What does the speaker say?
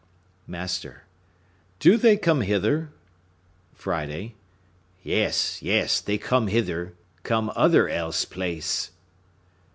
Master.—Do they come hither? Friday.—Yes, yes, they come hither; come other else place.